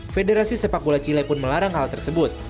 federasi sepak bola chile pun melarang hal tersebut